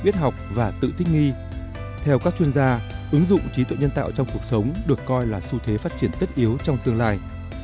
theo các chuyên gia ứng dụng trí tuệ nhân tạo trong cuộc sống được coi là xu thế phát triển tất yếu trong tương lai